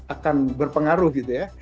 akan berpengaruh gitu ya